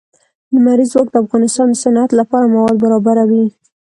لمریز ځواک د افغانستان د صنعت لپاره مواد برابروي.